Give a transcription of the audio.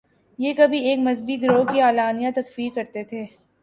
یہ کبھی ایک مذہبی گروہ کی اعلانیہ تکفیر کرتے تھے۔